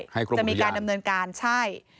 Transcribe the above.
ให้กรมอุทยานจะมีการดำเนินการใช่